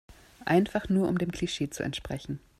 Einfach nur um dem Klischee zu entsprechen.